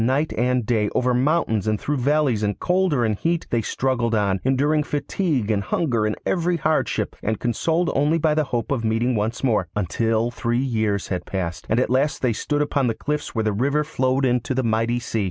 Night and day, over mountains and through valleys, in cold or in heat, they struggled on, enduring fatigue and hunger and every hardship, and consoled only by the hope of meeting once more until three years had passed, and at last they stood upon the cliffs where the river flowed into the mighty sea.